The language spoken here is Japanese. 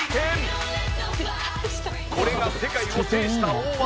これが世界を制した大技！